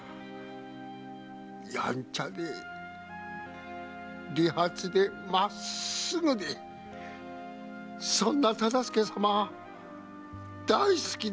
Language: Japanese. やんちゃで利発でまっすぐでそんな忠相様が大好きでしたよ！